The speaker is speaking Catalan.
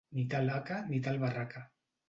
Ni tal haca ni tal barraca.